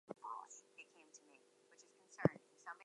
This region extends from Saurashtra and Central India to South India.